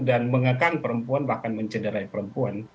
dan mengekang perempuan bahkan mencederai perempuan